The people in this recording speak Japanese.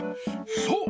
そう！